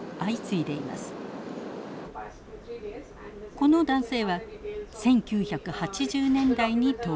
この男性は１９８０年代に渡米。